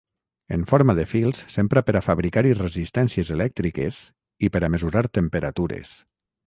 En forma de fils s'empra per a fabricar-hi resistències elèctriques i per a mesurar temperatures.